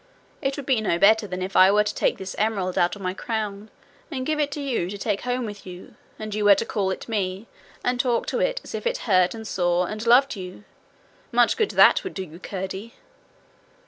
It would be no better than if I were to take this emerald out of my crown and give it to you to take home with you, and you were to call it me, and talk to it as if it heard and saw and loved you. Much good that would do you, Curdie!